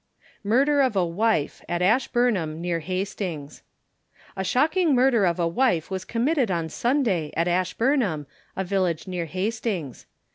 MURDER OF A WIFE AT ASHBURNHAM, NEAR HASTINGS. A shocking murder of a wife was committed on Sunday, at Ashburnham, a village near Hastings.